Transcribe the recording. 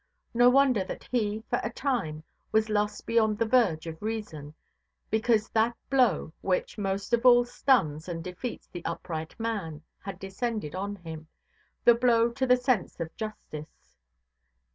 No wonder that he, for a time, was lost beyond the verge of reason; because that blow, which most of all stuns and defeats the upright man, had descended on him—the blow to the sense of justice.